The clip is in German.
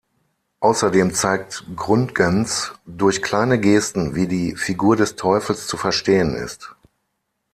Außerdem zeigt Gründgens durch kleinste Gesten, wie die Figur des Teufels zu verstehen ist.